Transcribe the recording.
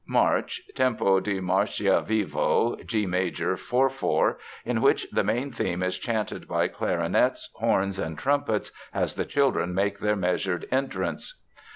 March (Tempo di marcia vivo, G major, 4 4), in which the main theme is chanted by clarinets, horns and trumpets, as the children make their measured entrance.